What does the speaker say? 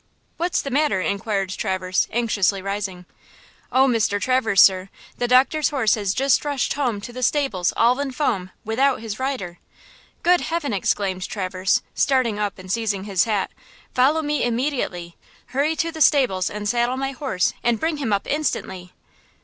"What is the matter?" inquired Traverse, anxiously rising. "Oh, Mr. Traverse, sir, the doctor's horse has just rushed home to the stables all in foam, without his rider!" "Good heaven!" exclaimed Traverse, starting up and seizing his hat. "Follow me immediately! Hurry to the stables and saddle my horse and bring him up instantly!